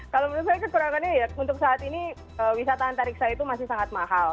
kalau menurut saya kekurangannya ya untuk saat ini wisata antariksa itu masih sangat mahal